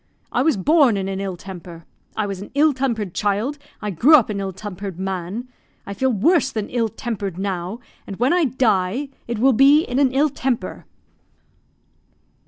I was born in an ill temper. I was an ill tempered child; I grew up an ill tempered man. I feel worse than ill tempered now, and when I die it will be in an ill temper."